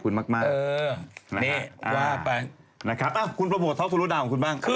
และขอบคุณคุณมาก